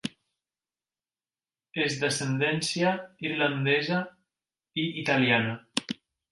És d'ascendència irlandesa i italiana.